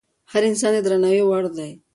هر انسان د درناوي وړ دی.